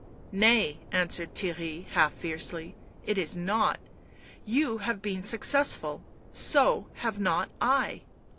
" Nay," answered Theirry, half fiercely, " it is not ... you have been successful ... so have not I ...